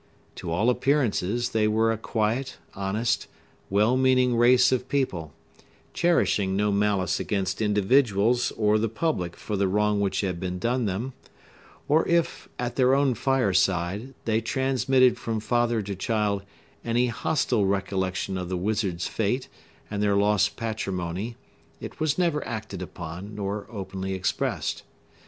To all appearance, they were a quiet, honest, well meaning race of people, cherishing no malice against individuals or the public for the wrong which had been done them; or if, at their own fireside, they transmitted from father to child any hostile recollection of the wizard's fate and their lost patrimony, it was never acted upon, nor openly expressed.